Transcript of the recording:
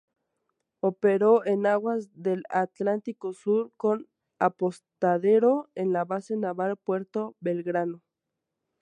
Operó en aguas del Atlántico Sur con apostadero en la Base Naval Puerto Belgrano.